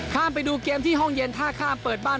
ไปดูเกมที่ห้องเย็นท่าข้ามเปิดบ้าน